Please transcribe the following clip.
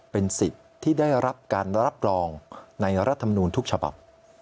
เป็นสิทธิ์ที่ได้รับการรับรองในรัฐมนูลทุกฉบับ